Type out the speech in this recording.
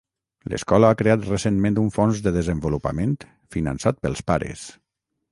L'escola ha creat recentment un fons de desenvolupament, finançat pels pares.